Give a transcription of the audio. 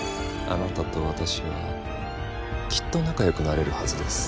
あなたと私はきっと仲よくなれるはずです。